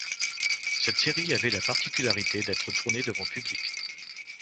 Cette série avait la particularité d'être tourné devant public.